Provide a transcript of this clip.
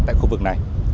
tại khu vực này